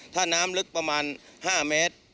ถ้าน้ำลึกประมาณ๕เมตร